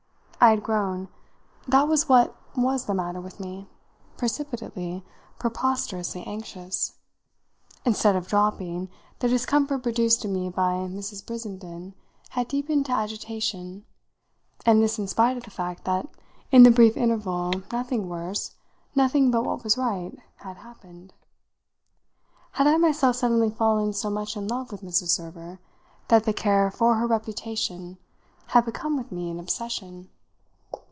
I had grown that was what was the matter with me precipitately, preposterously anxious. Instead of dropping, the discomfort produced in me by Mrs. Brissenden had deepened to agitation, and this in spite of the fact that in the brief interval nothing worse, nothing but what was right, had happened. Had I myself suddenly fallen so much in love with Mrs. Server that the care for her reputation had become with me an obsession?